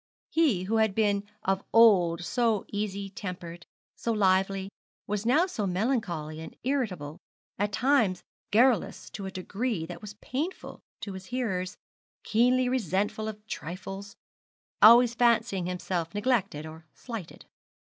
He who had been of old so easy tempered, so lively, was now melancholy and irritable, at times garrulous to a degree that was painful to his hearers, keenly resentful of trifles, always fancying himself neglected or slighted.